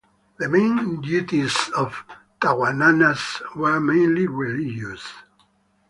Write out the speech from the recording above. The main duties of Tawanannas were mainly religious.